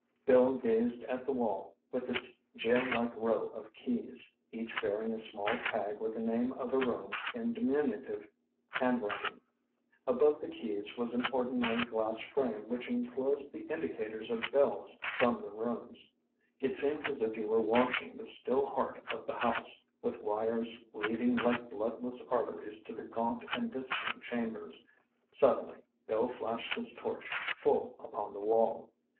Bill gazed at the wall with its jail like row of keys, each bearing a small tag with the name of a room in diminutive handwriting. Above the keys was an ordinary glass frame which enclosed the indicators of bells from the rooms. It seemed as if he were watching the still heart of the house, with wires leading like bloodless arteries to the gaunt and distant chambers. Suddenly, Bill flashed his torch full upon the wall.